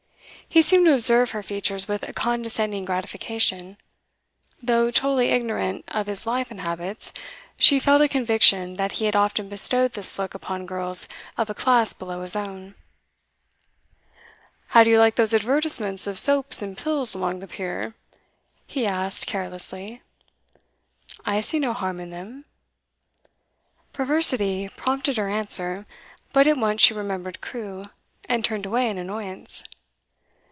He seemed to observe her features with a condescending gratification. Though totally ignorant of his life and habits, she felt a conviction that he had often bestowed this look upon girls of a class below his own. 'How do you like those advertisements of soaps and pills along the pier?' he asked carelessly. 'I see no harm in them.' Perversity prompted her answer, but at once she remembered Crewe, and turned away in annoyance.